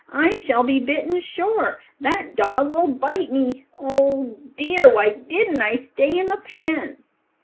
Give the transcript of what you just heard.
"I shall be bitten sure! That dog will bite me! Oh dear! Why didn't I stay in the pen?"